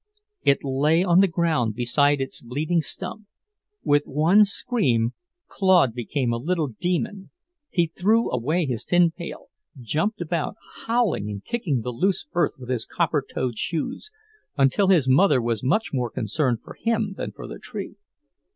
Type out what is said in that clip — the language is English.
It lay on the ground beside its bleeding stump. With one scream Claude became a little demon. He threw away his tin pail, jumped about howling and kicking the loose earth with his copper toed shoes, until his mother was much more concerned for him than for the tree.